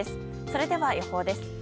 それでは予報です。